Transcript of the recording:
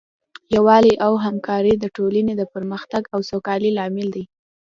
یووالی او همکاري د ټولنې د پرمختګ او سوکالۍ لامل دی.